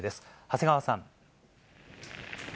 長谷川さん。